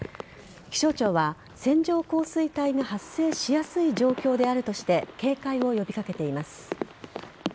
気象庁は線状降水帯が発生しやすい状況であるとして警戒を呼び掛けています。